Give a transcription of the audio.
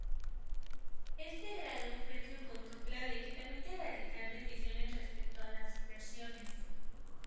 Este grado ofrece un punto clave que permite realizar decisiones respecto a las inversiones.